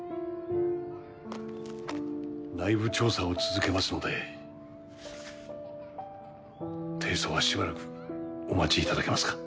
内部調査を続けますので提訴はしばらくお待ち頂けますか？